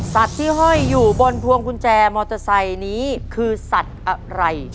ที่ห้อยอยู่บนพวงกุญแจมอเตอร์ไซค์นี้คือสัตว์อะไร